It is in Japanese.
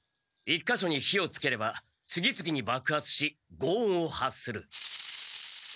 １か所に火をつければ次々にばくはつし轟音を発する。